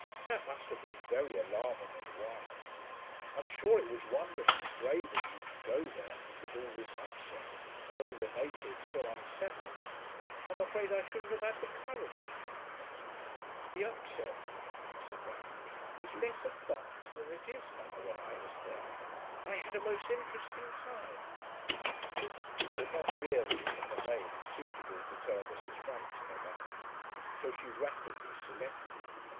That must have been very alarming and wild. I'm sure it was wonderfully brave of you to go there, with all this upset, and all the natives so unsettled. I'm afraid I shouldn't have had the courage.' 'The upset,' said Daphne, 'was less advanced than it is now, when I was there. I had a most interesting time....' But not really, in the main, suitable to tell Mrs. Frampton about, so she rapidly selected.